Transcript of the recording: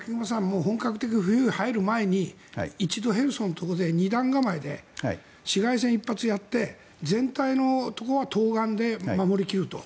もう本格的に冬に入る前に一度ヘルソンのところで２段構えで市街戦一発やって全体のところは東岸で守り切ると。